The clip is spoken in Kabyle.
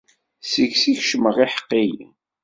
Seg-s i keččmen yiḥeqqiyen.